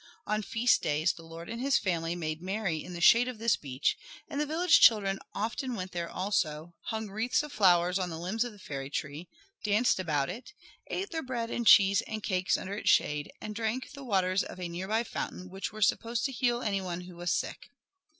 On feast days the lord and his family made merry in the shade of this beech, and the village children often went there also, hung wreaths of flowers on the limbs of the fairy tree, danced about it, ate their bread and cheese and cakes under its shade, and drank the waters of a near by fountain which were supposed to heal any one who was sick.